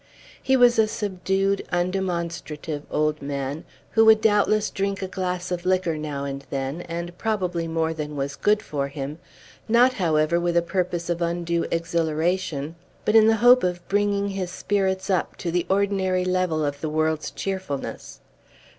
He was a subdued, undemonstrative old man, who would doubtless drink a glass of liquor, now and then, and probably more than was good for him, not, however, with a purpose of undue exhilaration, but in the hope of bringing his spirits up to the ordinary level of the world's cheerfulness.